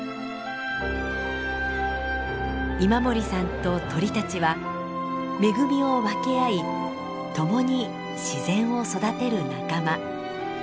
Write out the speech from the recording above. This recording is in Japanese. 今森さんと鳥たちは恵みを分け合い共に自然を育てる仲間。